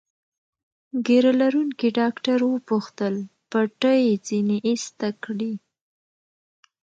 ږیره لرونکي ډاکټر وپوښتل: پټۍ ځینې ایسته کړي؟